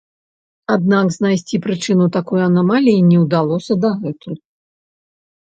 Аднак знайсці прычыну такой анамаліі не ўдалося дагэтуль.